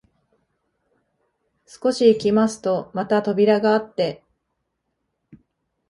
少し行きますとまた扉があって、